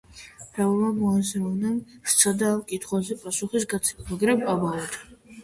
მრავალმა მოაზროვნემ სცადა ამ კითხვაზე პასუხის გაცემა, მაგრამ ამაოდ.